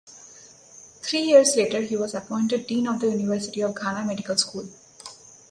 Three years later he was appointed Dean of the University of Ghana Medical School.